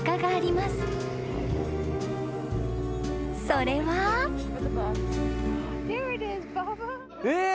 ［それは］えっ！？